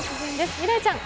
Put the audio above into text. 未来ちゃん